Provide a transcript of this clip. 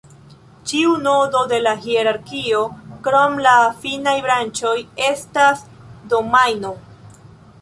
Ĉiu nodo de la hierarkio, krom la finaj branĉoj, estas domajno.